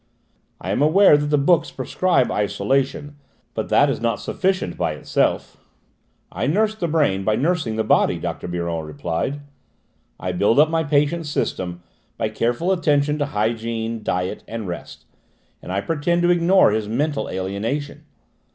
"I am aware that the books prescribe isolation, but that is not sufficient by itself." "I nurse the brain by nursing the body," Dr. Biron replied. "I build up my patient's system by careful attention to hygiene, diet, and rest, and I pretend to ignore his mental alienation.